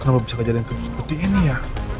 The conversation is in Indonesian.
kenapa bisa kejadian seperti ini ya